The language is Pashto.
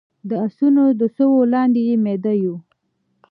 د اسونو د سوو لاندې يې ميده يو